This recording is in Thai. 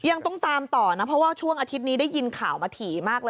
ยังต้องตามต่อนะเพราะว่าช่วงอาทิตย์นี้ได้ยินข่าวมาถี่มากเลย